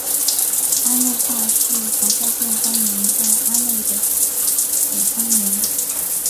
安陆话是黄孝片方言在安陆的子方言。